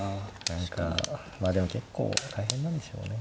何かまあでも結構大変なんでしょうね。